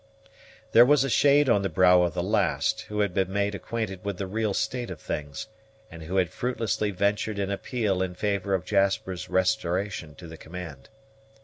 There was a shade on the brow of the last, who had been made acquainted with the real state of things, and who had fruitlessly ventured an appeal in favor of Jasper's restoration to the command.